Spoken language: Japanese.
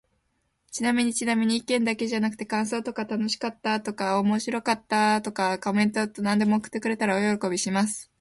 ちなみにちなみに、意見だけじゃなくて感想とか楽しかった〜おもろかった〜とか、コメントなんでも送ってくれたら大喜びします。